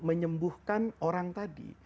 menyembuhkan orang tadi